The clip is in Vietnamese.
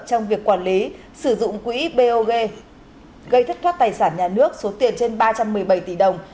trong việc quản lý sử dụng quỹ bog gây thất thoát tài sản nhà nước số tiền trên ba trăm một mươi bảy tỷ đồng